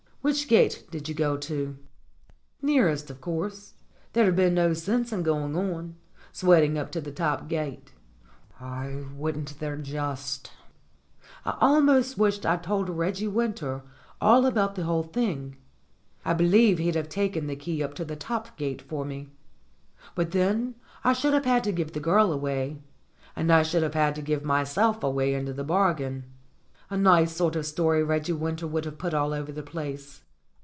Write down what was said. Which gate did you go to?" "Nearest, of course. There'd have been no sense in going on, sweating up to the top gate." Wouldn't there just ! I almost wished I'd told Reggie Winter all about the whole thing. I believe he'd have taken the key up to the top gate for me. But then I should have had to give the girl away; and I should have had to give myself away into the bargain. A nice sort of story Reggie Winter would have put all over the place.